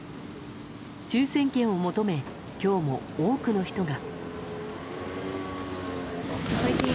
抽選券を求め、今日も多くの人が。